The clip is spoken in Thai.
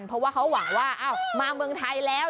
เพราะว่าเขาหวังว่ามาเมืองไทยแล้ว